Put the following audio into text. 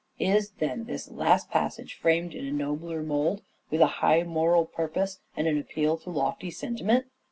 Is, then, this last passage framed in a nobler mould with a high moral purpose and an appeal to lofty sentiment